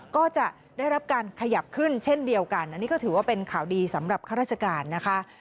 ก็จะได้รับการขยับขึ้นเช่นเดียวกันอันนี้ก็ถือว่าเป็นข่าวดีสำหรับข้าราชการนะคะ